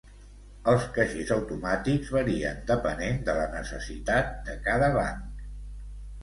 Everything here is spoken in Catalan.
Els caixers automàtics varien depenent de la necessitat de cada banc.